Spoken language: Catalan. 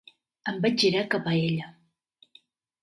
Em vaig girar cap a ella.